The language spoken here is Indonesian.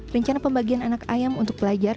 rencana pembagian anak ayam untuk pelajar